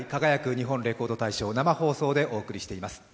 日本レコード大賞」を生放送でお送りしています。